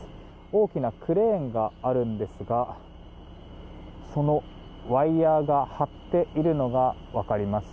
大きなクレーンがあるんですがそのワイヤが張っているのが分かります。